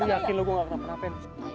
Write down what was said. gak yakin lo gua gak kenapa napain